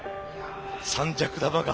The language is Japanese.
三尺玉が。